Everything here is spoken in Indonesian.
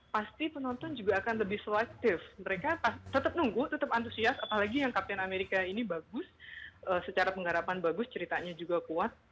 pasti penonton juga akan lebih selektif mereka tetap nunggu tetap antusias apalagi yang kapten amerika ini bagus secara pengharapan bagus ceritanya juga kuat